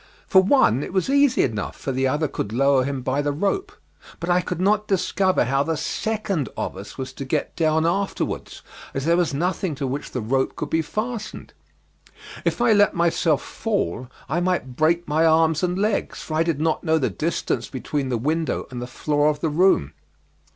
For one it was easy enough, for the other could lower him by the rope; but I could not discover how the second of us was to get down afterwards, as there was nothing to which the rope could be fastened. If I let myself fall I might break my arms and legs, for I did not know the distance between the window and the floor of the room.